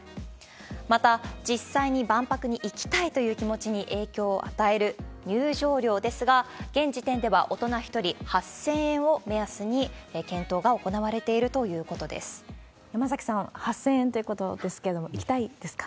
また、実際に万博に行きたいという気持ちに影響を与える入場料ですが、現時点では大人１人８０００円を目安に検討が行われているという山崎さん、８０００円ということですけれども、行きたいですか？